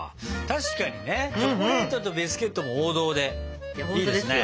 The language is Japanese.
確かにねチョコレートとビスケットも王道でいいですね。